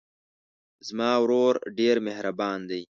زما ورور ډېر مهربان دی.